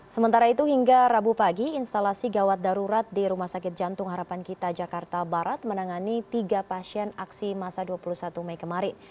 sementara itu hingga rabu pagi instalasi gawat darurat di rumah sakit jantung harapan kita jakarta barat menangani tiga pasien aksi masa dua puluh satu mei kemarin